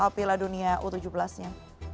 piala dunia u tujuh belas nya